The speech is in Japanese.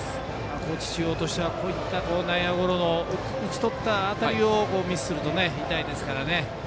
高知中央としては内野ゴロを打ち取った当たりをミスすると痛いですからね。